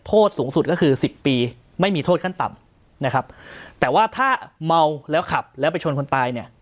โทษสูงสุดก็คือสิบปีไม่มีโทษขั้นต่ำนะครับแต่ว่าถ้าเมาแล้วขับแล้วไปชนคนตายเนี่ย